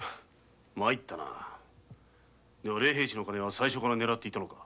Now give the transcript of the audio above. まいったな例幣使の金は最初からねらっていたのか？